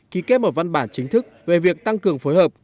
ký kết một văn bản chính thức về việc tăng cường phối hợp